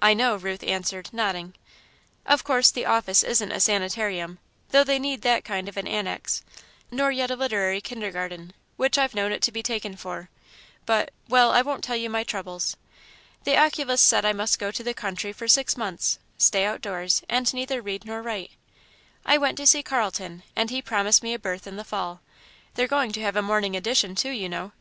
"I know," Ruth answered, nodding. "Of course the office isn't a sanitarium, though they need that kind of an annex; nor yet a literary kindergarten, which I've known it to be taken for, but well, I won't tell you my troubles. The oculist said I must go to the country for six months, stay outdoors, and neither read nor write. I went to see Carlton, and he promised me a berth in the Fall they're going to have a morning edition, too, you know."